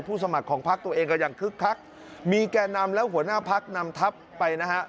ผู้สมัครของภักดิ์ตัวเองก็อย่างคึกคักมีแกนำแล้วหัวหน้าภักดิ์นำทัพไปนะฮะ